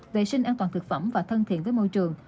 vệ sinh an toàn thực phẩm và thân thiện với môi trường